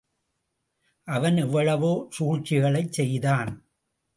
அவன் எவ்வளவோ சூழ்ச்சிகளைச் செய்தான்.